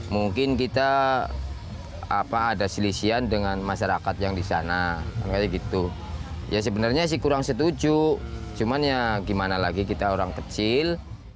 mungkin kita ada selisian dengan masyarakat yang di sana gitu ya sebenarnya sih kurang setuju cuman ya gimana lagi kita orang kecil